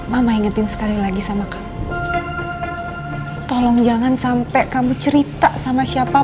ma terus pikir hero yang suka kacau